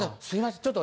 すいません